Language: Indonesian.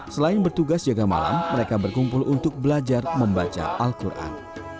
selain bertugas jaga malam mereka berkumpul untuk belajar membaca al quran